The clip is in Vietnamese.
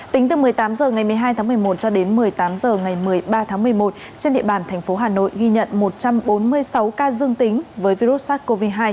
tính từ một mươi tám h ngày một mươi hai tháng một mươi một cho đến một mươi tám h ngày một mươi ba tháng một mươi một trên địa bàn thành phố hà nội ghi nhận một trăm bốn mươi sáu ca dương tính với virus sars cov hai